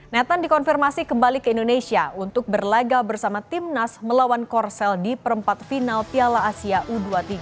nethan dikonfirmasi kembali ke indonesia untuk berlaga bersama timnas melawan korsel di perempat final piala asia u dua puluh tiga